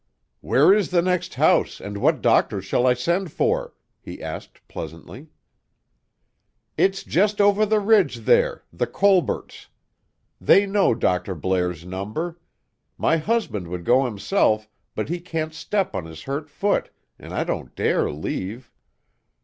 "Where is the next house, and what doctor shall I send for?" he asked pleasantly. "It's just over the ridge there; the Colberts. They know Dr. Blair's number. My husband would go himself but he can't step on his hurt foot and I don't dare leave.